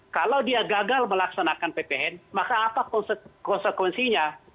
kalau dia gagal melaksanakan pphn maka apa konsekuensinya